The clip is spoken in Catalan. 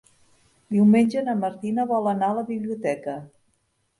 Diumenge na Martina vol anar a la biblioteca.